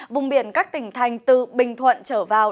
vùng biển các tỉnh thành từ bình thuận trở vào